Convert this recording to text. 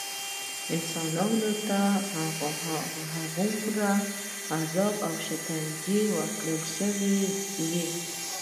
انسانانو ته هغومره عذاب او شکنجې ورکړل شوې.